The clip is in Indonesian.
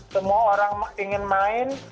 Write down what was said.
semua orang ingin main